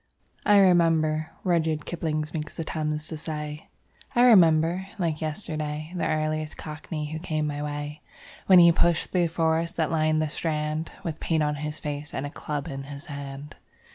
'I remember,' Rudyard Kipling makes the Thames to say: ... I remember, like yesterday, The earliest Cockney who came my way, When he pushed through the forest that lined the Strand, With paint on his face and a club in his hand.